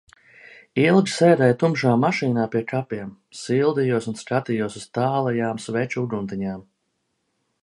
Ilgi sēdēju tumšā mašīnā pie kapiem, sildījos un skatījos uz tālajām sveču uguntiņām.